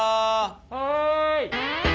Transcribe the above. ・はい！